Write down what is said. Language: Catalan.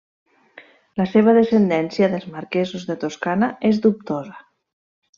La seva descendència dels marquesos de Toscana és dubtosa.